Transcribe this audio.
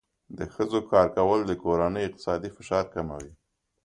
د ښځو کار کول د کورنۍ اقتصادي فشار کموي.